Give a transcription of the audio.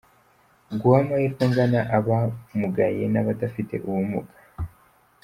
guha amahirwe angana abamugaye n’abadafite ubumuga